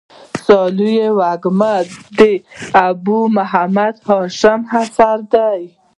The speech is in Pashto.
سالو وږمه د ابو محمد هاشم اثر دﺉ.